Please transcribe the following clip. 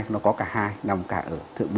nó có cả hai nằm cả ở thượng bì